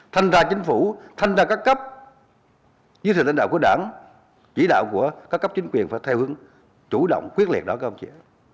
thanh ra chính phủ thanh ra các cấp giới thiệu tình đạo của đảng chỉ đạo của các cấp chính quyền phải theo hướng chủ động quyết liệt đó các ông chị